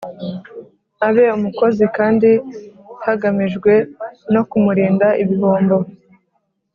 Abe umukozi kandi hagamijwe no kumurinda ibihombo